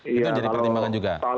itu menjadi pertimbangan juga